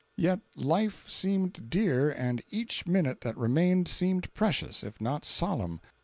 Yet life seemed dear and each minute that remained seemed precious if not solemn.